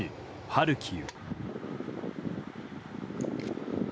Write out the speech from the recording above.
ハルキウ。